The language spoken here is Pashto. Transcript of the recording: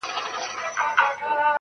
چي زه به څرنگه و غېږ ته د جانان ورځمه,